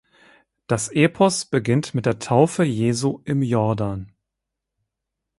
Das Epos beginnt mit der Taufe Jesu im Jordan.